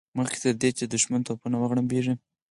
مخکې تر دې چې د دښمن توپونه وغړمبېږي.